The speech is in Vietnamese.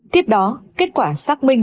tiếp đó kết quả xác minh